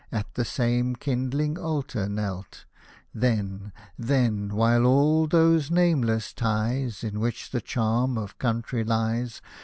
At the same kindling altar knelt, — Then, then, while all those nameless ties, In which the charm of Country lies.